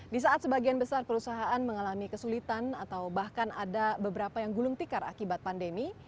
di saat sebagian besar perusahaan mengalami kesulitan atau bahkan ada beberapa yang gulung tikar akibat pandemi